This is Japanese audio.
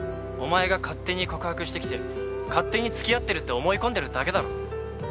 お前が勝手に告白してきて勝手に付き合ってるって思い込んでるだけだろ。